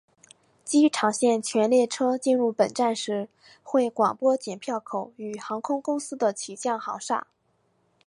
机场线全列车进入本站时会广播剪票口与航空公司的起降航厦。